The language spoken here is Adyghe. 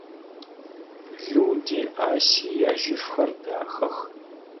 Люди Аси яжьыфхэр дахэх.